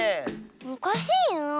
おかしいなあ。